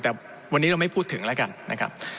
แต่วันนี้เราไม่พูดถึงแล้วกันนะครับ